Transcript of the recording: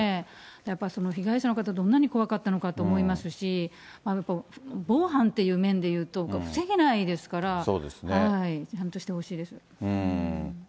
やっぱり被害者の方、どんなに怖かったのかと思いますし、防犯という面でいうと、防げないですから、ちゃんとしてほしいです。